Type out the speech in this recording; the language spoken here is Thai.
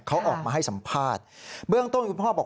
เขาออกมาให้สัมภาษณ์เบื้องต้นคุณพ่อบอก